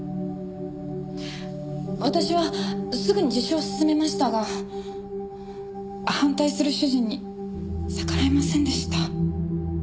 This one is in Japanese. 私はすぐに自首を勧めましたが反対する主人に逆らえませんでした。